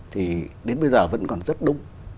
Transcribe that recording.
thì đến bây giờ vẫn còn rất đúng